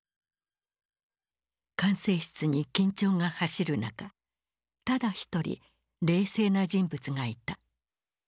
管制室に緊張が走る中ただ一人冷静な人物がいた。